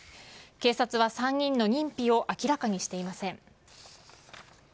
警察は３人の認否を明らかにしていません。